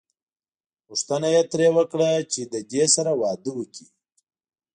غوښتنه یې ترې وکړه چې له دې سره واده وکړي.